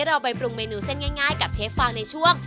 เราไปปรุงเมนูเส้นง่ายกับเชฟฟางในช่วง